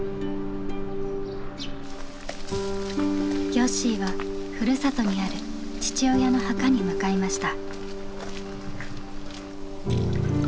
よっしーはふるさとにある父親の墓に向かいました。